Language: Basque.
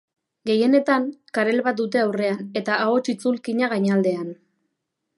Gehienetan, karel bat dute aurrean eta ahots-itzulkina gainaldean.